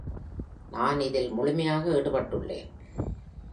நான் இதில் முழுமையாக ஈடுபட்டுளேன்.